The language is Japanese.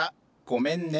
ごめんね。